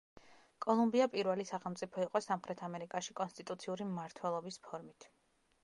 კოლუმბია პირველი სახელმწიფო იყო სამხრეთ ამერიკაში კონსტიტუციური მმართველობის ფორმით.